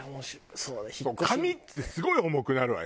紙ってすごい重くなるわよ。